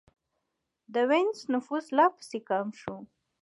د وینز نفوس لا پسې کم شو.